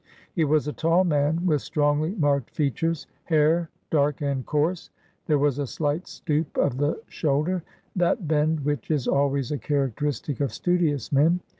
He was a tall man, with strongly marked features, hair dark and coarse. There was a slight stoop of the shoulder, — that bend which is always a characteristic of studious men.